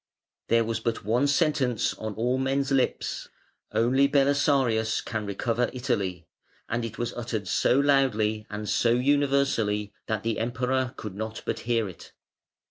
There was but one sentence on all men's lips "Only Belisarius can recover Italy", and it was uttered so loudly and so universally, that the Emperor could not but hear it.